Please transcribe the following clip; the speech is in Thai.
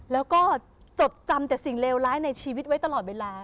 แล้วก็จดจำแต่สิ่งเลวร้ายในชีวิตไว้ตลอดเวลา